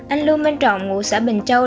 anh lưu minh trọng ngụ xã bình châu